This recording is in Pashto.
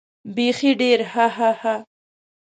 بېخي ډېر هههه.